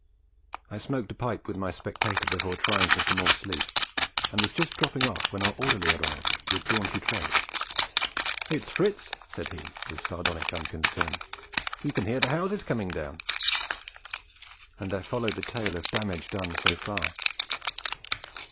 I smoked a pipe with my Spectator before trying for some more sleep, and was just dropping off when our orderly arrived with jaunty tread. 'It's Fritz,' said he, with sardonic unconcern. 'You can hear the houses coming down.' And there followed the tale of damage done so far.